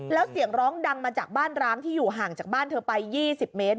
แล้วเสียงร้องดังมาจากบ้านร้างที่อยู่ห่างจากบ้านเธอไป๒๐เมตร